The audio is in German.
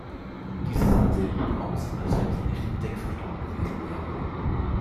Diese sahen sehr gut aus, als wenn sie nicht an Deck verstaut gewesen wären.